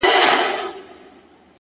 ه ژوند به دي خراب سي داسي مه كــوه تـه’